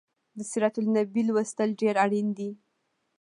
د سیرت النبي لوستل ډیر اړین دي